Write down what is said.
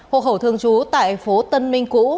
hồ khẩu thương chú tại phố tân minh cũ